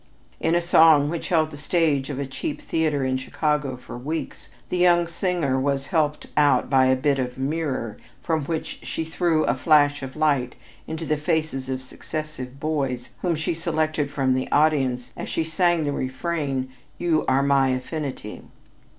In a song which held the stage of a cheap theater in Chicago for weeks, the young singer was helped out by a bit of mirror from which she threw a flash of light into the faces of successive boys whom she selected from the audience as she sang the refrain, "You are my Affinity."